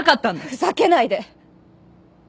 ふざけないで。